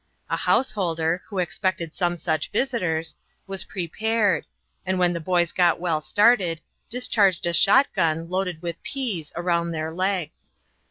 A householder, who expected some such visitors, was prepared, and when the boys got well started, discharged a shotgun loaded with peas around their legs.